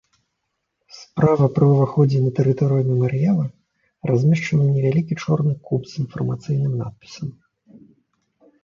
Справа пры ўваходзе на тэрыторыю мемарыяла размешчаны невялікі чорны куб з інфармацыйным надпісам.